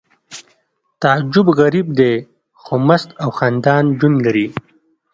تعجب غریب دی خو مست او خندان ژوند لري